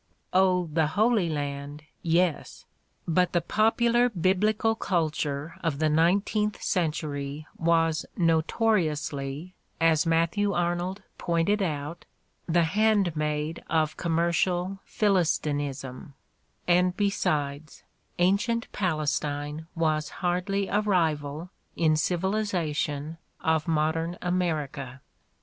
Oh, the Holy Land, yes ! But the popular Biblical culture of the nineteenth century was notoriously, as Matthew Arnold pointed out, the handmaid of commercial philistinism ; and besides, an cient Palestine was hardly a rival, in civilization, of modern America.